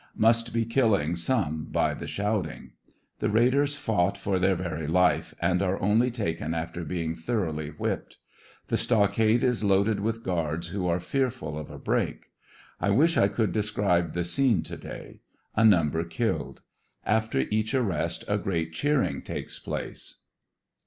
Must be killing some by the shouting. The raiders fight for their very life, and are only taken after being thoroughly whipped. The stockade is loaded with guards who are fearful of a break. I wish I could describe the scene to day. A number killed. After each arrest a great cheering takes place.